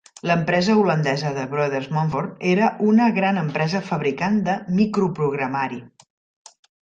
L'empresa holandesa De Broeders Montfort era una gran empresa fabricant de microprogramari.